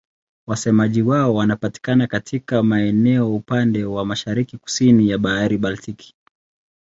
Wasemaji wao wanapatikana katika maeneo upande wa mashariki-kusini ya Bahari Baltiki.